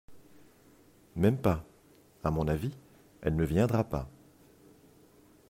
Même pas, à mon avis, elle ne viendra pas.